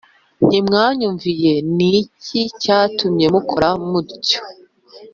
Ntimwanyumviye ni iki cyatumye mukora mutyo